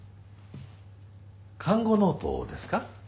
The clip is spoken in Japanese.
看護ノートですか？